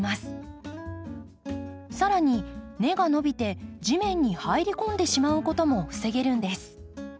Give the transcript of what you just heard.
更に根が伸びて地面に入り込んでしまうことも防げるんです。